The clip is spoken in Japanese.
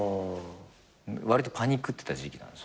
わりとパニクってた時期なんすよ。